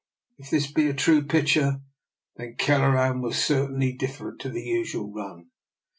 If this be a true picture, then Kelleran was certainly dif ferent to the usual run.